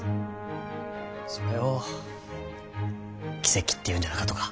それを奇跡って言うんじゃなかとか。